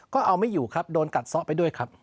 ก็เอาไม่อยู่ครับโดนกัดซ้อไปด้วยครับ